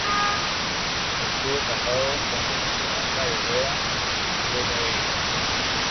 Estuvo casado con doña Esperanza de Rueda, con quien tuvo nueve hijos.